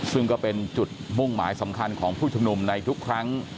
ซึ่งก็เป็นจุดมุ่งหมายสำคัญของผู้ชุมนุมในทุกครั้ง